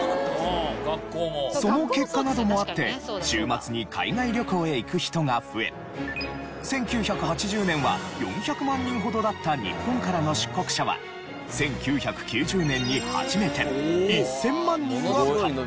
その結果などもあって週末に海外旅行へ行く人が増え１９８０年は４００万人ほどだった日本からの出国者は１９９０年に初めて１０００万人を突破。